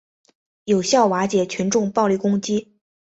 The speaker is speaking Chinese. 有效瓦解群众暴力攻击